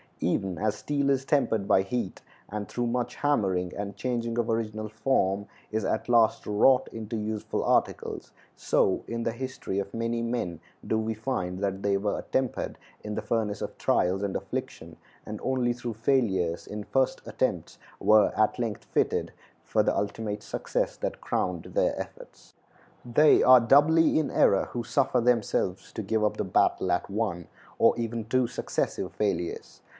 Even as steel is tempered by heat, and, through much hammering and changing of original form, is at last wrought into useful articles, so in the history of many men do we find that they were attempered in the furnace of trials and affliction, and only through failures in first attempts were at length fitted for the ultimate success that crowned their efforts. They are doubly in error who suffer themselves to give up the battle at one, or even two successive, failures.